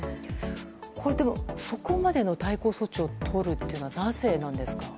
これ、でもそこまでの対抗措置をとるのはなぜなんですか？